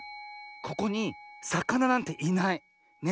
ここにさかななんていない。ね。